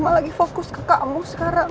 cuma lagi fokus ke kamu sekarang